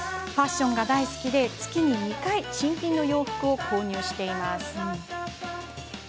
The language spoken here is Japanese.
ファッションが大好きで月に２回、新品の洋服を購入しています。